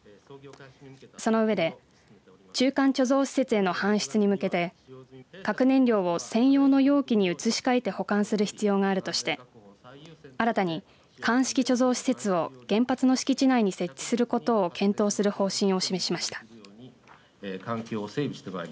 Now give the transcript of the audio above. そのうえで中間貯蔵施設への搬出に向けて核燃料を専用の容器に移し替えて保管する必要があるとして新たに乾式貯蔵施設を原発の敷地内に設置することを検討する方針を示しました。